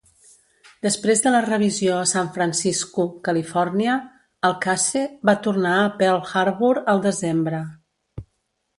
Després de la revisió a San Francisco, Califòrnia, el "Case" va tornar a Pearl Harbor al desembre.